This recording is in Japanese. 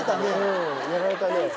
やられたね。